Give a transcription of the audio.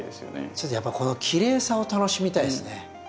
ちょっとやっぱこのきれいさを楽しみたいですね。